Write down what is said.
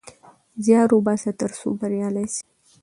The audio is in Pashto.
زيار وباسه ترڅو بريالی سې